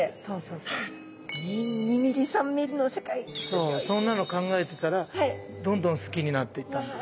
そうそんなの考えてたらどんどん好きになっていったんです。